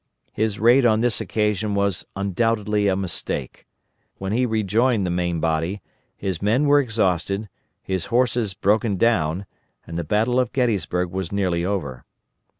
His raid on this occasion was undoubtedly a mistake. When he rejoined the main body, his men were exhausted, his horses broken down, and the battle of Gettysburg was nearly over.